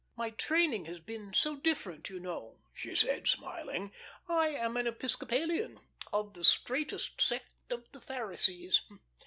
My training has been so different, you know," she said, smiling. "I am an Episcopalian 'of the straightest sect of the Pharisees.'